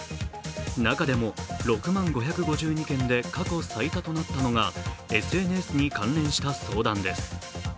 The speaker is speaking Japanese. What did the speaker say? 中でも６万５５２件で過去最多となったのがＳＮＳに関連した相談です。